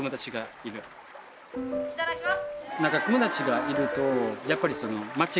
いただきます。